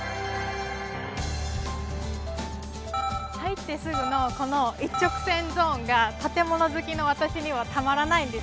入ってすぐのこの一直線ゾーンが建物好きの私にはたまらないんですよね。